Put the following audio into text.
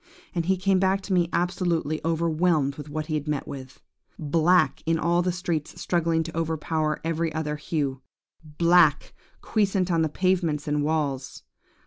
And he came back to me absolutely overwhelmed with what he had met with. Black in all the streets struggling to overpower every other hue. Black quiescent on the pavements and walls.